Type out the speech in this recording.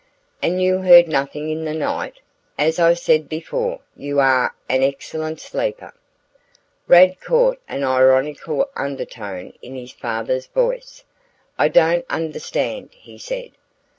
"And you heard nothing in the night? As I said before, you are an excellent sleeper!" Rad caught an ironical undertone in his father's voice. "I don't understand," he said.